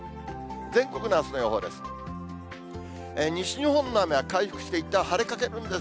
全国のあすの予報です。